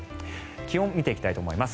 気温を見ていきたいと思います。